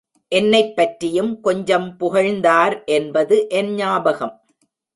என்னைப்பற்றியும் கொஞ்சம் புகழ்ந்தார் என்பது என் ஞாபகம்.